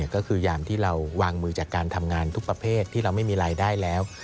ก็คือยามที่เราวางมือจากการทำงานทุกประเภทที่เราไม่มีรายได้แล้ว